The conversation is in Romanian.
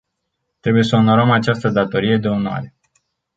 Trebuie să onorăm această datorie de onoare.